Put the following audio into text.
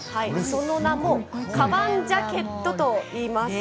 その名も、かばんジャケットといいます。